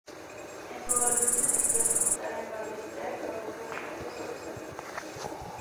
En su adolescencia, asistió a la secundaria Marie-Esther, donde fue un estudiante sobresaliente.